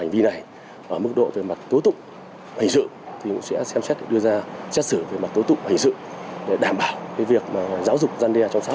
về mặt tố tụng hành sự thì cũng sẽ xem xét đưa ra chất xử về mặt tố tụng hành sự để đảm bảo cái việc giáo dục gian đeo trong xã hội